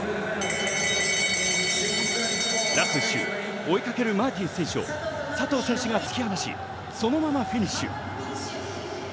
追いかけるマーティン選手を佐藤選手が突き放しそのままフィニッシュ。